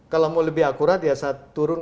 kalau mau lebih akurat ya saat turun